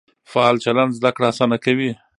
فعال چلند زده کړه اسانه کوي.